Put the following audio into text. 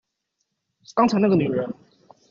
剛才那個女人